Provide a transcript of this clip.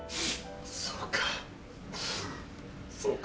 そうかそうか。